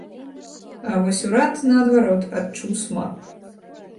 А вось урад, наадварот, адчуў смак.